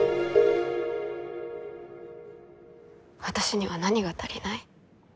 私には何が足りない？